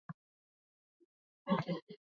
sheria hiyo inatilia mkazo masharti ya usalama